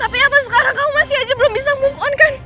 tapi apa sekarang kamu masih aja belum bisa move on kan